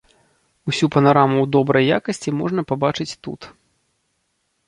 Усю панараму ў добрай якасці можна пабачыць тут.